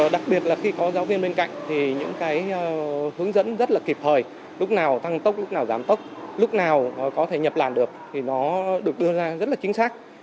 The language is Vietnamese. đặc biệt là khi có giáo viên bên cạnh thì những cái hướng dẫn rất là kịp thời lúc nào tăng tốc lúc nào giảm tốc lúc nào có thể nhập làn được thì nó được đưa ra rất là chính xác